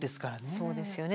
そうですよね。